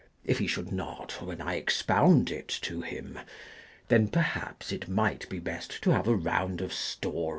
If he should not, when I expound it to him, — then perhaps it might be best to have a round of Stories.